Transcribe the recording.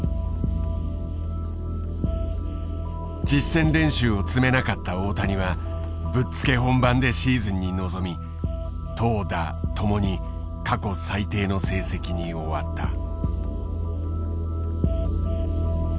実戦練習を積めなかった大谷はぶっつけ本番でシーズンに臨み投打ともに過去最低の成績に終わった。